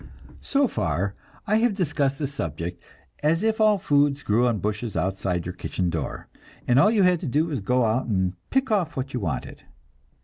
So far I have discussed this subject as if all foods grew on bushes outside your kitchen door, and all you had to do was to go and pick off what you wanted.